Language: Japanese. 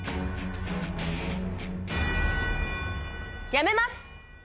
やめます！